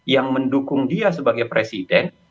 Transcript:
yang mendukung dia sebagai presiden